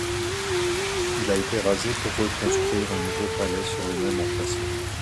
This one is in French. Il a été rasé pour reconstruire un nouveau palais sur le même emplacement.